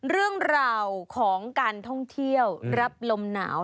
เรื่องราวของการท่องเที่ยวรับลมหนาว